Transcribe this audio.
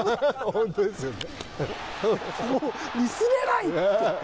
本当ですよね。